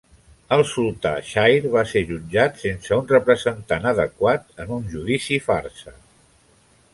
El sultà Shire va ser jutjat sense un representant adequat en un judici farsa.